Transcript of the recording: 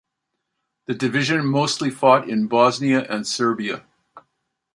The division mostly fought in Bosnia and Serbia.